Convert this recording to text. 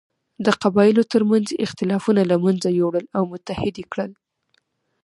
د قبایلو تر منځ یې اختلافونه له منځه یووړل او متحد یې کړل.